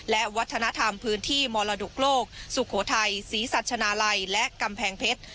และวัฒนธรรมพื้นที่มรดกโลกสุโขทัยศรีสัชนาลัยและกำแพงเพชร